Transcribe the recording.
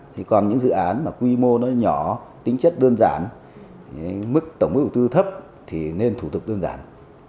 thì còn những dự án mà quy mô nó nhỏ tính chất đơn giản mức tổng mức đầu tư thấp thì nên thủ tục đơn giản